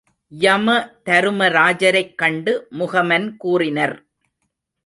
யமதருமராஜரைக் கண்டு முகமன் கூறினர்.